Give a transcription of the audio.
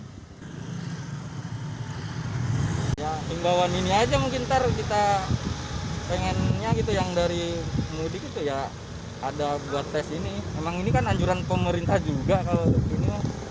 pemudik yang baru sampai dari kampung halaman juga akan dipasang oleh warga perumahan